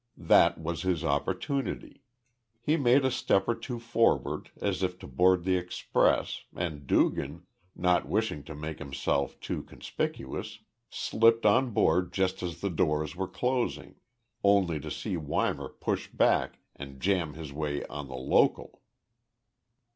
That was his opportunity. He made a step or two forward, as if to board the express, and Dugan not wishing to make himself too conspicuous slipped on board just as the doors were closing, only to see Weimar push back and jam his way on the local!